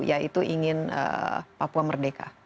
yaitu ingin papua merdeka